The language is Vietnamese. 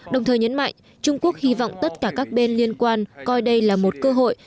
đồng thời nhấn mạnh trung quốc hy vọng tất cả các bên liên quan coi đây là một cơ hội